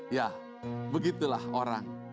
ya begitulah orang